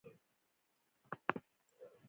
طبیعت ساتل مهم دي.